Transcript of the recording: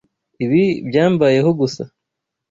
Ibi byambayeho gusa.